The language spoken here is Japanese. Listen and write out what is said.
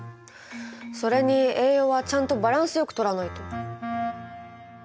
それに栄養はちゃんとバランスよくとらないと。